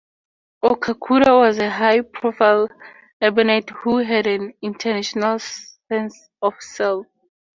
Okakura was a high-profile urbanite who had an international sense of self.